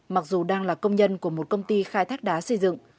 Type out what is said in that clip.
mặc dù đang là công nhân của một công ty khai thác đá xây dựng